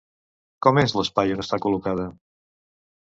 Com és l'espai on està col·locada?